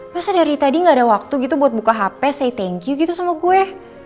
biasanya dari tadi gak ada waktu gitu buat buka hp saya thank you gitu sama gue